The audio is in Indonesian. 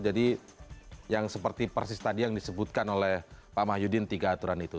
yang seperti persis tadi yang disebutkan oleh pak mahyudin tiga aturan itu